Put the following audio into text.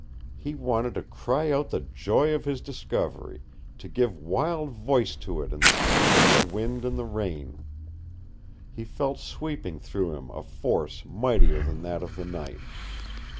He wanted to cry out the joy of his discovery, to give wild voice to it in the teeth of the wind and the rain. He felt sweeping through him a force mightier than that of the night.